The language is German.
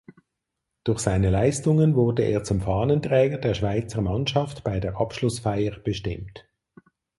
Durch seine Leistungen wurde er zum Fahnenträger der Schweizer Mannschaft bei der Abschlussfeier bestimmt.